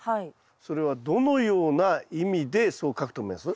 それはどのような意味でそう書くと思います？